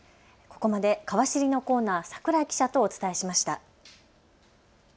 ここまでかわ知りのコーナー、櫻井記者とお伝えしました。